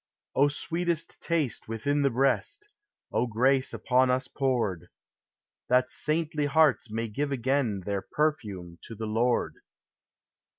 O sweetest taste within the breast, O grace upon us poured, That saintly hearts may give again their perfume to the Lord.